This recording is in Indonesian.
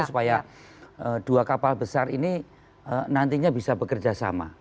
supaya dua kapal besar ini nantinya bisa bekerja sama